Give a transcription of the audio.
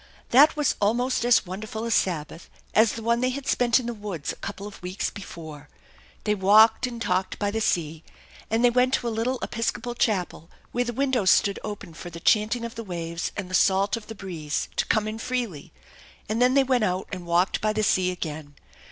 That was almost as wonderful a Sabbath as the one they had spent in the woods a couple of weeks before. They walked and talked by the sea, and they went to a little Epis copal chapel, where the windows stood open for the chanting 230 THE ENCHANTED BARN of the waves and the salt of the breeze to come in freely, and then they went out and walked by the sea again.